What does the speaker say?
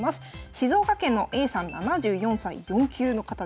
静岡県のＡさん７４歳４級の方です。